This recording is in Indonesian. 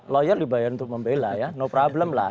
lawyer dibayar untuk membela ya no problem lah